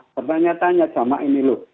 bertanya tanya sama ini loh